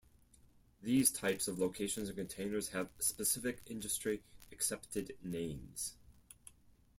These types of locations and containers have specific industry-accepted names.